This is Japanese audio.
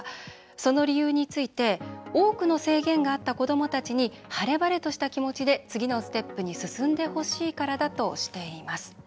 その理由について多くの制限があった子どもたちに晴れ晴れとした気持ちで次のステップに進んでほしいからだとしています。